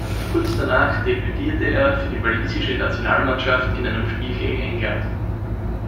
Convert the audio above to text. Kurz danach debütierte er für die Walisische Nationalmannschaft in einem Spiel gegen England.